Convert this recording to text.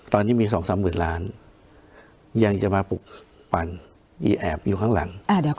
ตอนนี้มี๒๓หมื่นล้านยังจะมาปลุกปั่นอีแอบอยู่ข้างหลัง